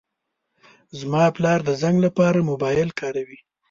زما پلار د زنګ لپاره موبایل کاروي.